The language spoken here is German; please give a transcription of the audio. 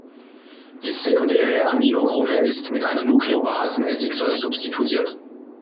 Die sekundäre Aminogruppe ist mit einer Nukleobasen-Essigsäure substituiert.